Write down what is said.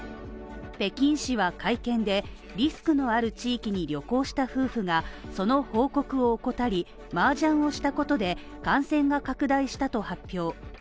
北京市は会見で、リスクのある地域に旅行した夫婦がその報告を怠りマージャンをしたことで感染が拡大したと発表。